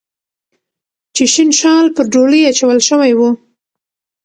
چې شین شال پر ډولۍ اچول شوی و